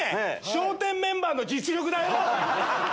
笑点メンバーの実力だよ。